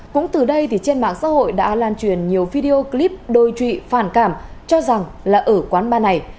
cũng từ đây trên mạng xã hội đã lan truyền nhiều video clip đôi trụy phản cảm cho rằng là ở quán ba này